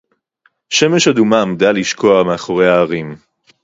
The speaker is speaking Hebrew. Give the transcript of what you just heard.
שֶׁמֶשׁ אֲדֻמָּה עָמְדָה לִשְׁקֹעַ מֵאֲחוֹרֵי הֶהָרִים